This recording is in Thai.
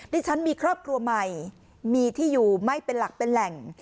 ดิฉันมีครอบครัวใหม่มีที่อยู่ไม่เป็นหลักเป็นแหล่ง